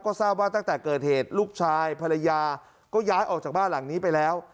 ก็ทราบว่าตั้งแต่เกิดเหตุลูกชายภรรยาก็ย้ายออกจากบ้านหลังนี้ไปแล้ว